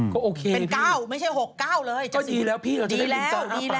ก็โอเคพี่ดีแล้วพี่เราจะได้บินตอนหน้าปากกันได้เป็น๙ไม่ใช่๖๙เลย